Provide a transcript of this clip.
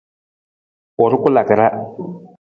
U rukulaka ra.